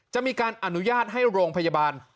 จะมีการอนุญาตให้โรงพยาบาล